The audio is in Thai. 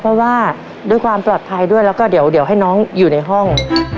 เพราะว่าด้วยความปลอดภัยด้วยแล้วก็เดี๋ยวให้น้องอยู่ในห้อง